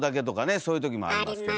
そういうときもありますけど。